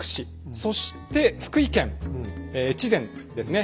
そして福井県越前ですね